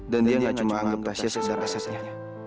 dan dia gak cuma anggap tasya sekedar asetnya